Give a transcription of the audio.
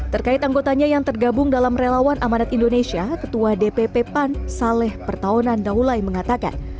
terkait anggotanya yang tergabung dalam relawan amanat indonesia ketua dpp pan saleh pertahunan daulai mengatakan